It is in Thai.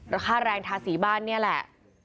ราคาแรงทาศรีบ้านเนี่ยแหละ